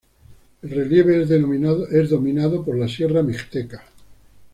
El relieve es dominado por la Sierra Mixteca.